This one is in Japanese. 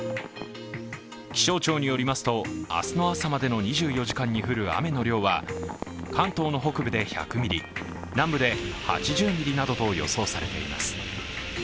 気象庁によりますと、明日の朝までの２４時間に降る雨の量は関東の北部で１００ミリ、南部で８０ミリなどと予想されています。